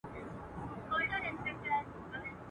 مُلا عزیز دی ټولو ته ګران دی.